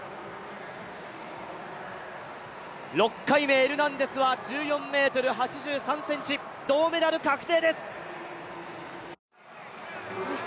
６回目、エルナンデスは１４ｍ８３ｃｍ銅メダル確定です。